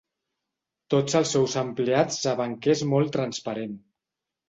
Tots els seus empleats saben que és molt transparent.